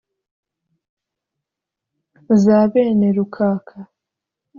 Za bene Rukaka,